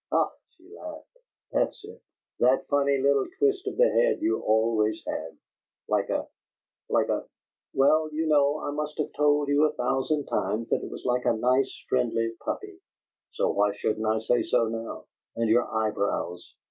"Ah!" she laughed. "That's it! That funny little twist of the head you always had, like a like a well, you know I must have told you a thousand times that it was like a nice friendly puppy; so why shouldn't I say so now? And your eyebrows!